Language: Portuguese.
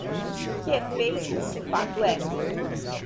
O que é feito, o fato é.